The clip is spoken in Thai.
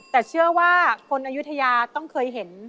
แต่เชื่อว่าคนอายุทยาต้องเคยเห็น